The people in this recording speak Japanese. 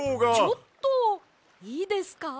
ちょっといいですか？